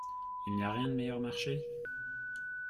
Il n’y a rien de meilleur marché ?